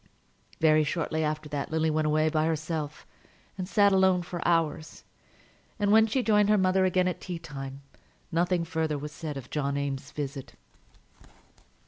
Very shortly after that Lily went away by herself, and sat alone for hours; and when she joined her mother again at tea time, nothing further was said of John Eames's visit.